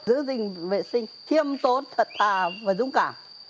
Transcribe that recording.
giữ gìn vệ sinh khiêm tốn thật thà và dũng cảm